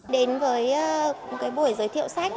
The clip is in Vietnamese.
đến với cái buổi giới thiệu sách